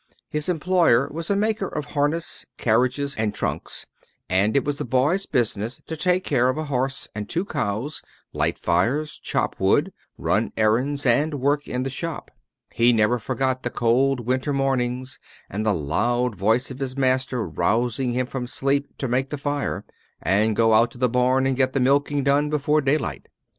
His employer was a maker of harness, carriages, and trunks, and it was the boy's business to take care of a horse and two cows, light fires, chop wood, run errands, and work in the shop. He never forgot the cold winter mornings, and the loud voice of his master rousing him from sleep to make the fire, and go out to the barn and get the milking done before daylight.